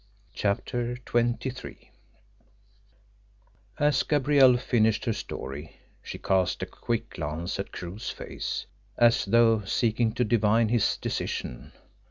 CHAPTER XXIII As Gabrielle finished her story, she cast a quick glance at Crewe's face as though seeking to divine his decision.